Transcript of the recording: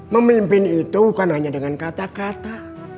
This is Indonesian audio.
memimpin itu bukan hanya dengan kata kata